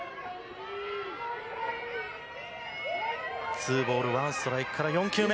ツーボールワンストライクから４球目。